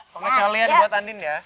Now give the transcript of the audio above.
pengecualian buat andin ya